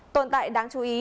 tồn tại đáng chú ý